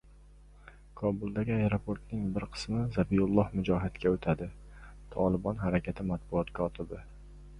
Kobuldagi aeroportning bir qismi Zabihulloh Mujohidga o‘tadi-«Tolibon» harakati matbuot kotibi